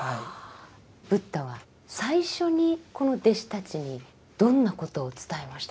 ブッダは最初にこの弟子たちにどんなことを伝えましたか？